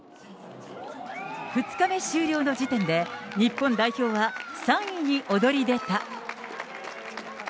２日目終了の時点で日本代表は３位に躍り出た。